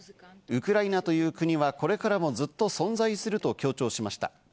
ウクライナという国はこれからもずっと存在すると強調しました。